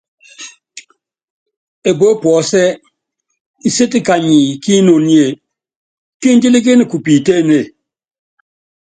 Epue puɔ́sɛ́ nséti kanyi kí inoní ɛ́ɛ́: Kindílíkíni ku piitéénée.